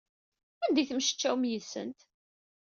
Anda ay temmectcawem yid-sent?